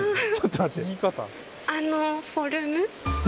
あのフォルム。